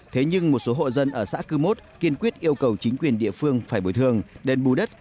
thế nhưng một số hộ dân ở xã cư mốt kiên quyết yêu cầu chính quyền địa phương phải bồi thường đền bù đất